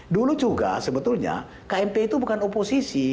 dulu juga sebetulnya kmp itu bukan oposisi